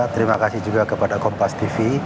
terima kasih juga kepada kompas tv